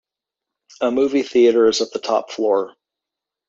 A movie theatre is at the top floor.